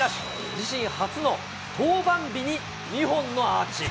自身初の登板日に、２本のアーチ。